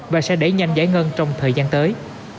và sẽ đẩy nhanh giải ngân trong thời gian tới